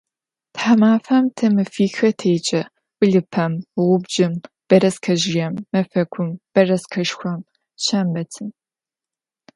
Themafem te mefixe têce: blıpem, ğubcım, bereskezjıêm, mefekum, bereskeşşxom, şşembetım.